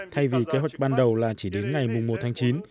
thay vì kế hoạch ban đầu là chỉ đến ngày một tháng chín